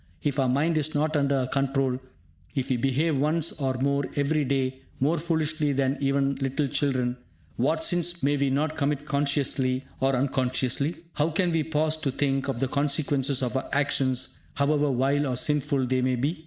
If our mind is not under our control, if we behave once or more every day more foolishly than even little children, what sins may we not commit consciously or unconsciously? How can we pause to think of the consequences of our actions, however vile or sinful they may be?